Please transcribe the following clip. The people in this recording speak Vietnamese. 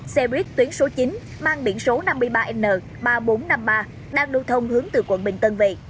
xe buýt tuyến số chín mang biển số năm mươi ba n ba nghìn bốn trăm năm mươi ba đang lưu thông hướng từ quận bình tân về